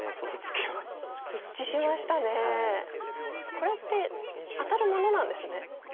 これって当たるものなんですね。